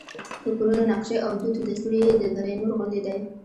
د کورونو نقشې او دود دستور یې د دره نور غوندې دی.